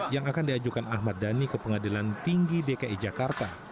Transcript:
yang akan diajukan ahmad dhani ke pengadilan tinggi dki jakarta